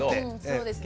そうですね。